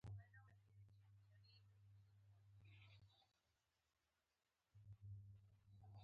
په اسیا کې نېغ قامته انسان ژوند کاوه.